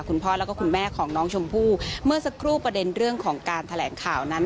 คุณพ่อแล้วก็คุณแม่ของน้องชมพู่เมื่อสักครู่ประเด็นเรื่องของการแถลงข่าวนั้น